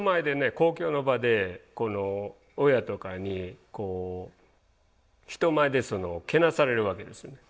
公共の場で親とかにこう人前でけなされるわけですね。